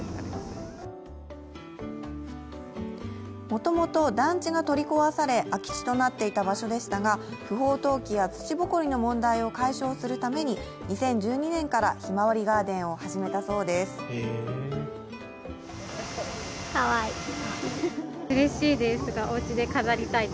もともと団地が取り壊され、空き地となっていた場所でしたが、不法投棄や土ぼこりの問題を解消するために、２０１２年からひまわりガーデンを始めたそうです。